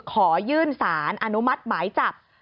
ขอยื่นสารอนุมัติหมายจับ